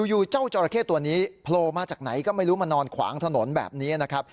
อยู่เจ้าจอราเข้ตัวนี้โผล่มาจากไหนก็ไม่รู้มานอนขวางถนนแบบนี้นะครับ